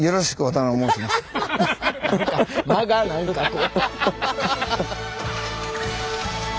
間が何かこう。